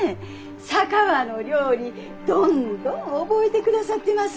佐川の料理どんどん覚えてくださってますき。